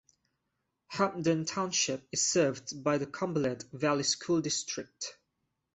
Hampden Township is served by the Cumberland Valley School District.